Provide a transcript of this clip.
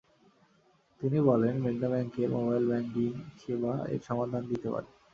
তিনি বলেন, মেঘনা ব্যাংকের মোবাইল ব্যাংকিং সেবা এর সমাধান দিতে পারে।